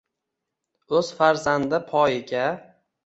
O’z farzandi poyiga.